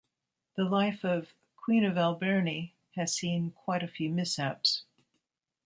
The life of "Queen of Alberni" has seen quite a few mishaps.